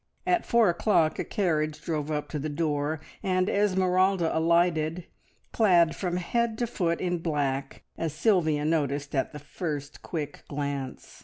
At four o'clock a carriage drove up to the door, and Esmeralda alighted, clad from head to foot in black, as Sylvia noticed at the first quick glance.